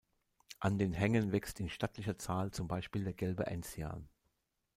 An den Hängen wächst in stattlicher Zahl zum Beispiel der Gelbe Enzian.